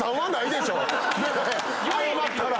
謝ったら。